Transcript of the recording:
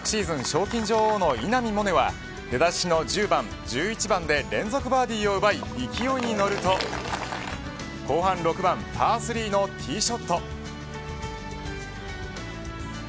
賞金女王の稲見萌寧は出だしの１０番、１１番で連続バーディーを奪い勢いに乗ると後半６番、パー３のティーショット。